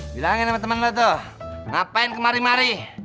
bilangin sama temen lu tuh ngapain kemari mari